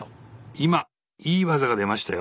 今いい技が出ましたよ。